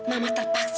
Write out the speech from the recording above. mama terpaksa rizky